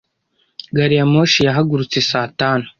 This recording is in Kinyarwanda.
Gari ya moshi yahagurutse saa tanu.